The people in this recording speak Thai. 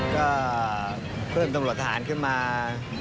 ก็เพิ่มตรงบริษัทขึ้นมา